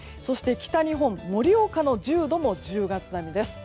北日本、盛岡の１０度も１０月並みです。